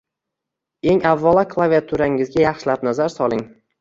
Eng avvalo klaviaturangizga yaxshilab nazar soling